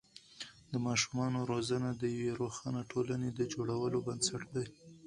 د ماشومانو روزنه د یوې روښانه ټولنې د جوړولو بنسټ دی.